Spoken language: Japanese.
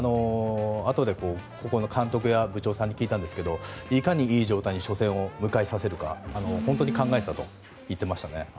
あとで監督や部長さんに聞いたんですがいかにいい状態で初戦を迎えさせるか本当に考えたとおっしゃっていました。